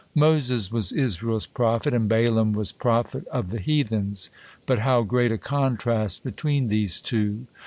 Moses was Israel's prophet, and Balaam was prophet of the heathens: but how great a contrast between these two!